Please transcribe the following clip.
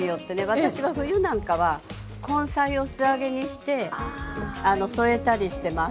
私は冬なんかは根菜を素揚げにして添えたりしてます。